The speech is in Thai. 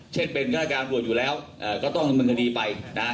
เช่นเป็นการการอบรวจอยู่แล้วก็ต้องตามมาด้วยคดีไปนะ